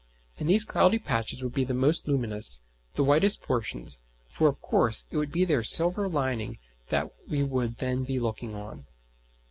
And these cloudy patches would be the most luminous, the whitest portions; for of course it would be their silver lining that we would then be looking on.